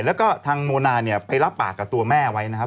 แล้วก็ทางโมนาเนี่ยไปรับปากกับตัวแม่ไว้นะครับ